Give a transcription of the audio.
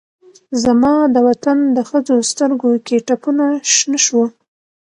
زما دوطن د ښځوسترګوکې ټپونه شنه شوه